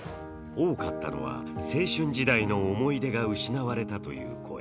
多かったのは、青春時代の思い出が失われたという声。